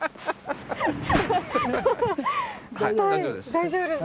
大丈夫です。